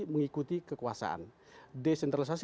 akan diikuti kekuasaan desentralisasi